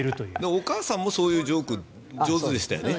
お母さんもそういうジョーク上手でしたよね。